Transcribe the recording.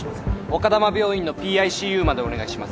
丘珠病院のＰＩＣＵまでお願いします。